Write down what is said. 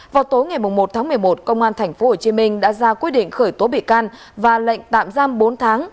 vào tối ngày một tháng một mươi một công an tp hcm đã ra quyết định khởi tố bị can và lệnh tạm giam bốn tháng